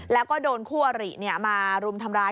แล้วก็โดนคู่อริมารุมทำร้าย